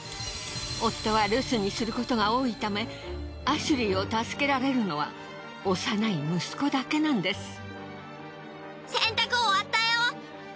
夫は留守にすることが多いためアシュリーを助けられるのは幼い息子だけなんです。